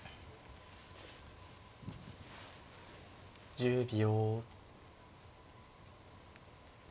１０秒。